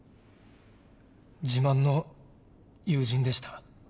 自慢の友人でした。